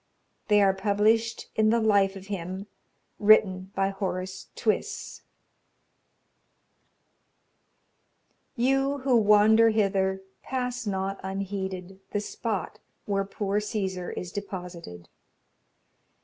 They are published in the life of him, written by Horace Twiss: 'You who wander hither, Pass not unheeded The spot where poor Cæsar Is deposited.